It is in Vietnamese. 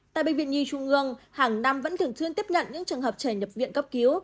tại bệnh viện nhi trung ương hàng năm vẫn thường chuyên tiếp nhận những trường hợp trẻ nhập viện cấp cứu